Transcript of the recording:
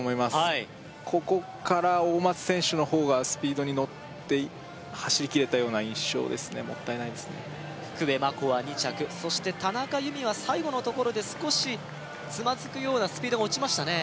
はいここから大松選手の方がスピードに乗って走りきれたような印象ですねもったいないですね福部真子は２着そして田中佑美は最後のところで少しつまずくようなスピードが落ちましたね